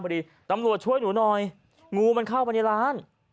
พอดีตำรวจช่วยหนูหน่อยงูมันเข้าไปในร้าน